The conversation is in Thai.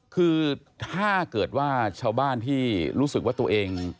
คือถ้าเกิดว่าชาวบ้านที่รู้สึกว่าตัวเอง